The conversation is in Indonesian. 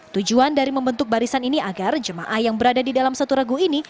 tujuan dari membentuk barisan ini agar jemaah yang berada di dalam satu regu ini